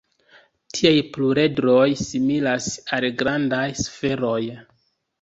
Tiaj pluredroj similas al grandaj sferoj.